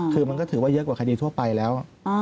คือมันก็ถือว่าเยอะกว่าคดีทั่วไปแล้ว